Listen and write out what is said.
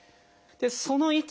その位置